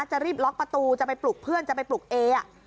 จะรีบล็อกประตูจะไปปลุกเพื่อนจะไปปลุกเอ